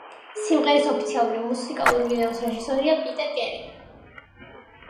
სიმღერის ოფიციალური მუსიკალური ვიდეოს რეჟისორია პიტერ კერი.